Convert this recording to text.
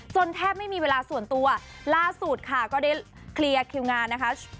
แทบไม่มีเวลาส่วนตัวล่าสุดค่ะก็ได้เคลียร์คิวงานนะคะ